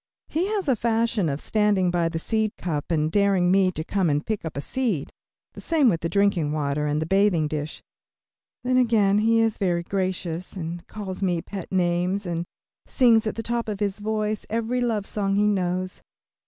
He has a fashion of standing by the seed cup and daring me to come and pick up a seed; the same with the drinking water and the bathing dish. Then again he is very gracious, and calls me pet names, and sings at the top of his voice every love song he knows.